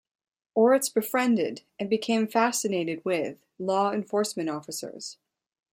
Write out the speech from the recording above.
Ortiz befriended, and became fascinated with, law enforcement officers.